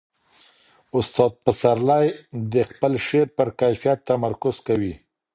استاد پسرلی د خپل شعر پر کیفیت تمرکز کوي.